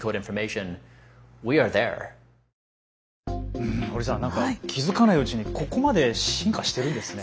うん保里さん何か気付かないうちにここまで進化してるんですね。